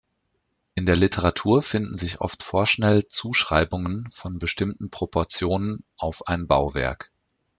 In der Literatur finden sich oft vorschnell Zuschreibungen von bestimmten Proportionen auf ein Bauwerk.